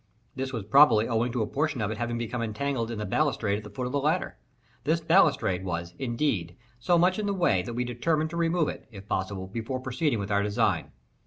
This was probably owing to a portion of it having become entangled in the balustrade at the foot of the ladder. This balustrade was, indeed, so much in the way, that we determined to remove it, if possible, before proceeding with our design.